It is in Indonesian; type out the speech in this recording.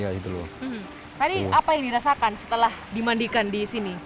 tadi apa yang dirasakan setelah dimandikan di sini